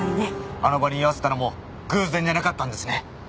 あの場に居合わせたのも偶然じゃなかったんですね。